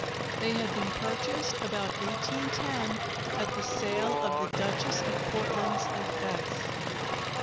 They had been purchased about 1810 at the sale of the Duchess of Portland's effects.